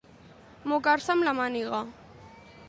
Mocar-se amb la màniga.